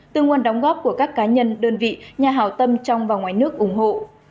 tương quan đóng góp của các cá nhân đơn vị nhà hào tâm trong và ngoài nước ủng hộ